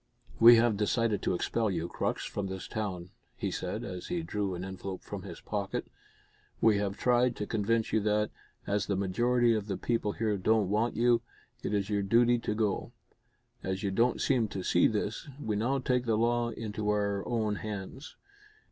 "We have decided to expel you, Crux, from this town," he said, as he drew an envelope from his pocket. "We have tried to convince you that, as the majority of the people here don't want you, it is your duty to go. As you don't seem to see this, we now take the law into our own hands.